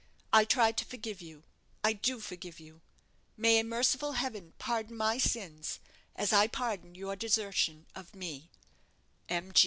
I try to forgive you I do forgive you! May a merciful heaven pardon my sins, as I pardon your desertion of me_! M.